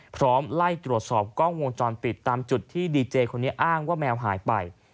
ไล่ตรวจสอบกล้องวงจรปิดตามจุดที่ดีเจคนนี้อ้างว่าแมวหายไป